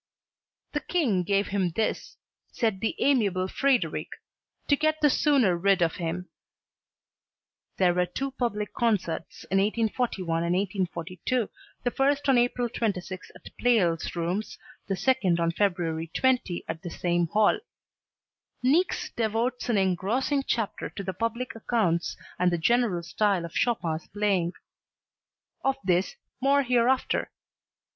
"The King gave him this," said the amiable Frederic, "to get the sooner rid of him." There were two public concerts in 1841 and 1842, the first on April 26 at Pleyel's rooms, the second on February 20 at the same hall. Niecks devotes an engrossing chapter to the public accounts and the general style of Chopin's playing; of this more hereafter.